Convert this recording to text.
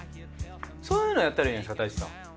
そういうのをやったらいいんじゃないですか太一さん。